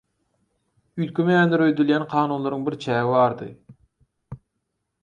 Üýtgemeýändir öýdülýän kanunlaryň bir çägi bardy